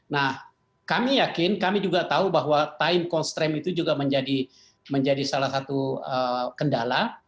nah kami yakin kami juga tahu bahwa time constream itu juga menjadi salah satu kendala